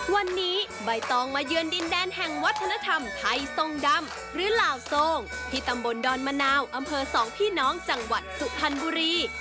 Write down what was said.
วันนี้ใบตองมาเยือนดินแดนแห่งวัฒนธรรมไทยทรงดำหรือลาวทรงที่ตำบลดอนมะนาวอำเภอสองพี่น้องจังหวัดสุพรรณบุรี